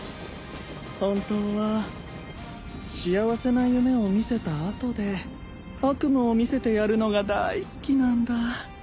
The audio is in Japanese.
本当は幸せな夢を見せた後で悪夢を見せてやるのが大好きなんだ